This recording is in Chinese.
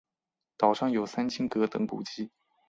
岛上有三清阁等古迹。